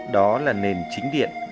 đó là nền chính điện